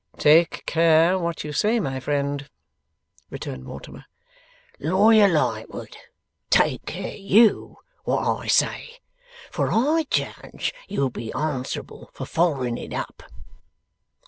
'Take care what you say, my friend,' returned Mortimer. 'Lawyer Lightwood, take care, you, what I say; for I judge you'll be answerable for follering it up!